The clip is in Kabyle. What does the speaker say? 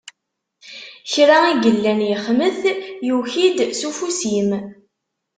Kra i yellan yexmet, yuki-d s ufus-im.